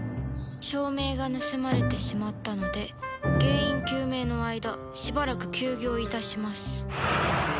照明が盗まれてしまったので原因究明の間しばらく休業いたします